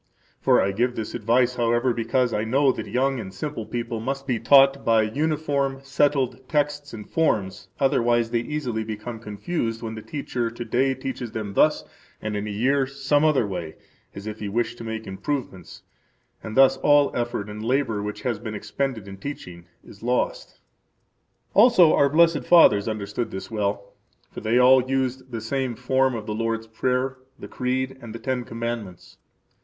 For [I give this advice, however, because I know that] young and simple people must be taught by uniform, settled texts and forms, otherwise they easily become confused when the teacher to day teaches them thus, and in a year some other way, as if he wished to make improvements, and thus all effort and labor [which has been expended in teaching] is lost. Also our blessed fathers understood this well; for they all used the same form of the Lord's Prayer, the Creed, and the Ten Commandments.